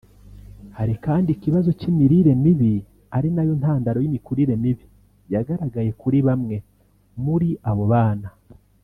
Hari kandi ikibazo cy’imirire mibi ari nayo ntandaro y’imikurire mibi yagaragaye kuri bamwe muri abo bana